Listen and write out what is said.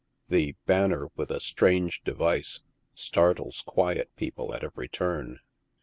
The " banner with a strange device" startles quiet people at every turn.